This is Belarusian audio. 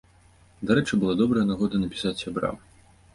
Дарэчы, была добрая нагода напісаць сябрам.